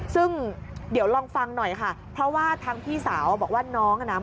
ซึ่งเดี๋ยวลองฟังหน่อยค่ะเพราะว่าทางพี่สาวบอกว่าน้องอ่ะนะ